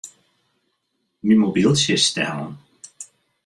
Myn mobyltsje is stellen.